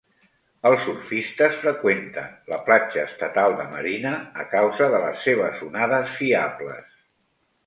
Els surfistes freqüenten la platja Estatal de Marina a causa de les seves onades fiables.